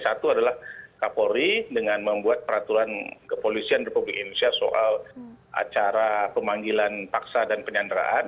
satu adalah kapolri dengan membuat peraturan kepolisian republik indonesia soal acara pemanggilan paksa dan penyanderaan